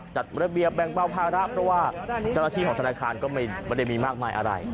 จัดระเบียบแบ่งเบาภาระเพราะว่าเจ้าหน้าที่ของธนาคารก็ไม่ได้มีมากมายอะไร